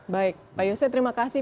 baik pak yose terima kasih